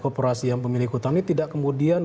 koperasi yang memiliki hutang ini tidak kemudian